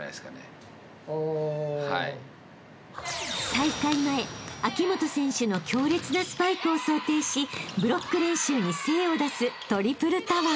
［大会前秋本選手の強烈なスパイクを想定しブロック練習に精を出すトリプルタワー］